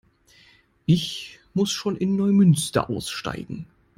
Ich muss schon in Neumünster aussteigen